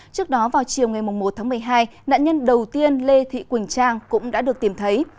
trước đó vào chiều ngày một tháng một mươi hai nạn nhân đầu tiên lê thị quỳnh trang cũng đã được tìm thấy